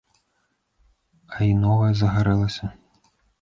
А і новае загарэлася.